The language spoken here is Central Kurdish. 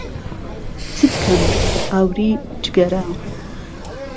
چبکەم ئاوری جگهره